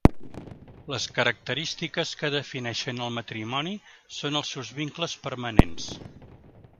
Les característiques que defineixen el matrimoni són el seus vincles permanents.